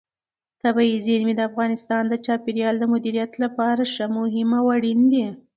طبیعي زیرمې د افغانستان د چاپیریال د مدیریت لپاره ډېر مهم او اړین دي.